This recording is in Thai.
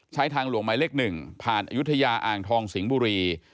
ใช้ทางหลวงใหม่เลข๑ผ่านอยุธยาอ่างทองสิงบุรี